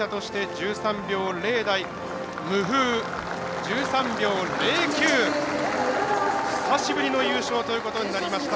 １３秒０９、久しぶりの優勝ということになりました。